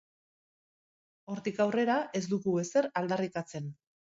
Hortik aurrera, ez dugu ezer aldarrikatzen.